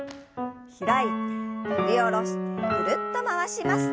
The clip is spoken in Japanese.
開いて振り下ろしてぐるっと回します。